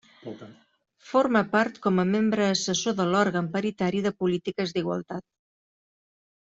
Forma part com a membre assessor de l'Òrgan Paritari de Polítiques d'Igualtat.